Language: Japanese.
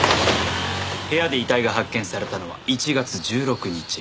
部屋で遺体が発見されたのは１月１６日。